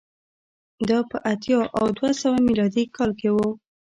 دا په اتیا او دوه سوه میلادي کال کې و